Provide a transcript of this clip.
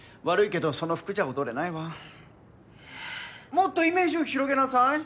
もっとイメージを広げなさい。